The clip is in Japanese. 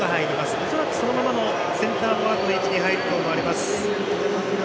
おそらくそのままのセンターフォワードの位置に入ると思われます。